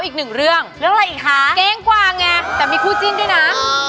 กับกั้งเนี่ยนะ